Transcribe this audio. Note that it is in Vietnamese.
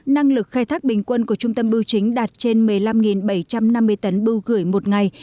năng lực khai thác bình quân của trung tâm bưu chính đạt trên một mươi năm bảy trăm năm mươi tấn bưu gửi một ngày